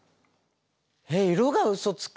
えっ色がうそつく？